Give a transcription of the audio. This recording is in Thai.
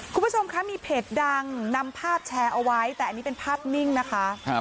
คุณผู้ชมคะมีเพจดังนำภาพแชร์เอาไว้แต่อันนี้เป็นภาพนิ่งนะคะ